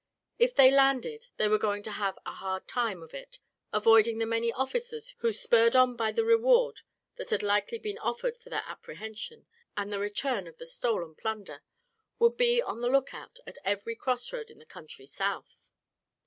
If they landed, they were going to have a hard time of it avoiding the many officers who, spurred on by the reward that had likely been offered for their apprehension, and the return of the stolen plunder, would be on the lookout at every cross road in the country south.